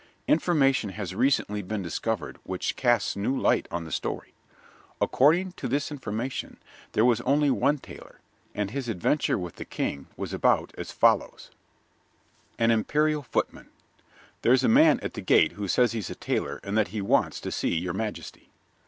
Information has recently been discovered which casts new light on the story. According to this information there was only one tailor, and his adventure with the King was about as follows: AN IMPERIAL FOOTMAN There's a man at the gate who says he's a tailor and that he wants to see your majesty.